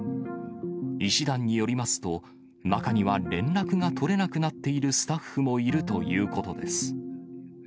医師団によりますと、中には連絡が取れなくなっているスタッフもいるということです。